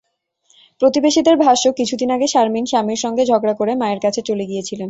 প্রতিবেশীদের ভাষ্য, কিছুদিন আগে শারমিন স্বামীর সঙ্গে ঝগড়া করে মায়ের কাছে চলে গিয়েছিলেন।